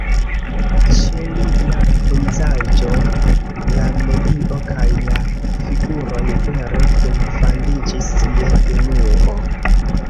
Ĉe li la pejzaĝo, la medio kaj la figuroj vere kunfandiĝis je unuo.